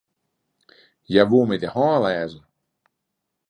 Hja woe my de hân lêze.